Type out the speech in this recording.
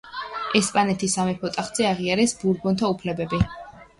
ესპანეთის სამეფო ტახტზე აღიარეს ბურბონთა უფლება.